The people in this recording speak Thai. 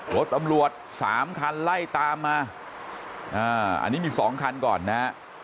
รถตำรวจสามคันไล่ตามมาอันนี้มีสองคันก่อนนะฮะ